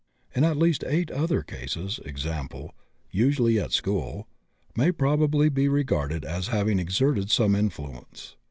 In at least 8 other cases, example, usually at school, may probably be regarded as having exerted some influence.